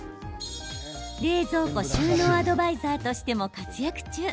冷蔵庫収納アドバイザーとしても活躍中。